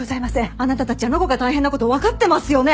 あなたたちあの子が大変な事わかってますよね！？